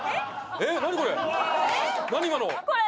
え何これ？